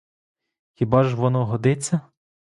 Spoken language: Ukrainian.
Хіба ж воно годиться?